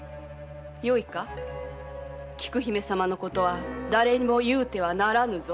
よいか菊姫様のことは誰にも言うてはならぬぞ。